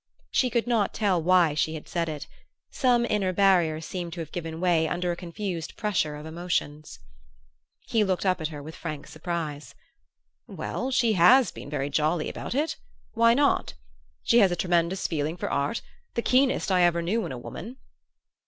She could not tell why she had said it; some inner barrier seemed to have given way under a confused pressure of emotions. He looked up at her with frank surprise. "Well, she has been very jolly about it why not? She has a tremendous feeling for art the keenest I ever knew in a woman."